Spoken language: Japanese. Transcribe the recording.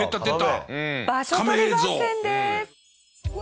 場所取り合戦です。